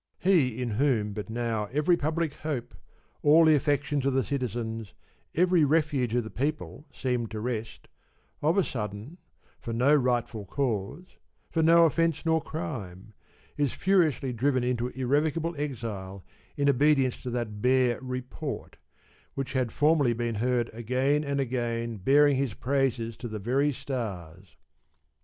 He in whom but now every public hope, all the affections of the citizens, every refuge of the people seemed to rest, of a sudden, for no rightful cause, for no offence nor crime, is furiously driven into irrevocable exile in obedience to that bare * report ' which had formerly been heard again and again bearing his praises to the very stars.